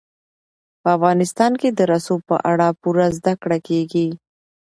په افغانستان کې د رسوب په اړه پوره زده کړه کېږي.